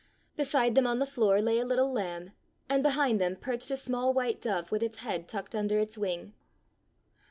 Beside them on the floor lay a little lamb, and behind them perched a small white dove with its head tucked under its wing.